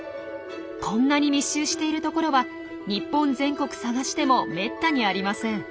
こんなに密集しているところは日本全国探してもめったにありません。